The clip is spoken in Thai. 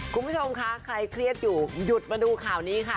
คุณผู้ชมคะใครเครียดอยู่หยุดมาดูข่าวนี้ค่ะ